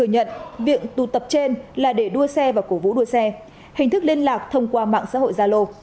nhận việc tụ tập trên là để đua xe và cổ vũ đua xe hình thức liên lạc thông qua mạng xã hội gia lô